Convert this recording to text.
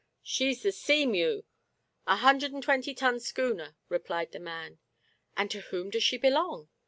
" She's the Seamew^ a hundred and twenty ton schooner," replied the man. " And to whom does she belong